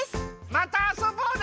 またあそぼうね！